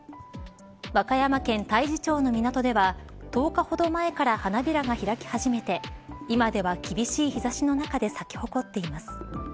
和歌山県太地町の港では１０日ほど前から花びらが開き始めて今では厳しい日差しの中で咲き誇っています。